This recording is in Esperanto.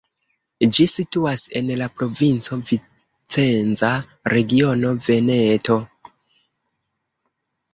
Ĝi situas en la provinco Vicenza, regiono Veneto.